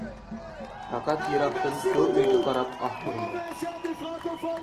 پەقەت يىراقتىن شۇ ئۆيگە قاراپ ئاھ ئۇرىمەن.